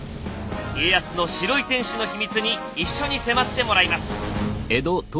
家康の白い天守の秘密に一緒に迫ってもらいます。